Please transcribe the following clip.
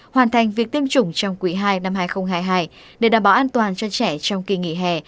hoàn thành việc tiêm chủng trong quý ii năm hai nghìn hai mươi hai để đảm bảo an toàn cho trẻ trong kỳ nghỉ hè